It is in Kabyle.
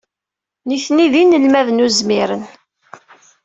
Nitni d inelmaden uzmiren.